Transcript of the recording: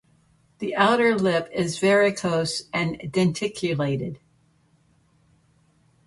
The outer lip is varicose and denticulated.